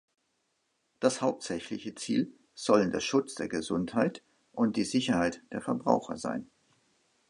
Das hauptsächliche Ziel sollen der Schutz der Gesundheit und die Sicherheit der Verbraucher sein.